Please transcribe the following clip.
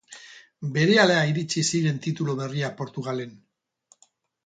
Berehala iritsi ziren titulu berriak Portugalen.